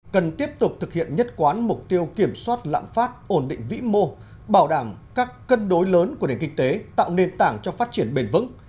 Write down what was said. cần tiếp tục thực hiện nhất quán mục tiêu kiểm soát lãm phát ổn định vĩ mô bảo đảm các cân đối lớn của nền kinh tế tạo nền tảng cho phát triển bền vững